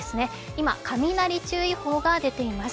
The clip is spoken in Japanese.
今雷注意報が出ています。